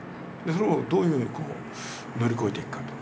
それをどういうふうに乗り越えていくかと。